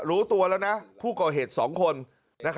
รู้ตัวแล้วนะผู้ก่อเหตุ๒คน